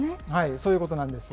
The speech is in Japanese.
そういうことなんです。